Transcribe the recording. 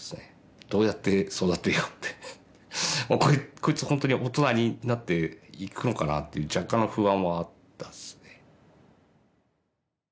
若干こいつ本当に大人になっていくのかなっていう若干の不安はあったですね。